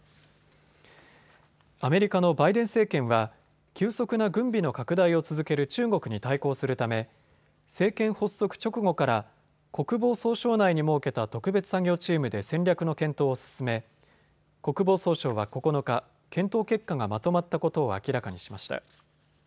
アメリカのバイデン政権は急速な軍備の拡大を続ける中国に対抗するため政権発足直後から国防総省内に設けた特別作業チームで戦略の検討を進め国防総省は９日、検討結果がまとまったことを明らかにしました。